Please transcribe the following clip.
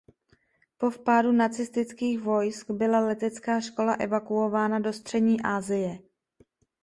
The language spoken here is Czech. Po vpádu nacistických vojsk byla letecká škola evakuována do Střední Asie.